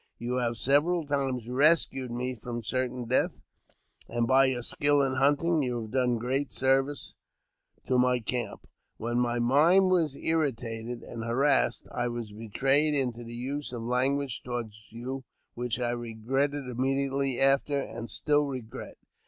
You have several times rescued me from certain death, and, by your skill in hunting, you have done great service to my camp. When my mind was irritated and harassed, I was betrayed into the use of language toward you which I regretted immediately after, and still regret.